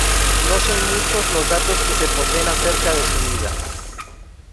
No son muchos los datos que se poseen acerca de su vida.